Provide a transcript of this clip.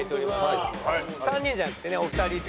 ３人じゃなくてねお二人。